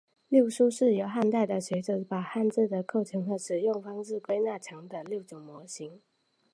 六书是由汉代的学者把汉字的构成和使用方式归纳成的六种类型。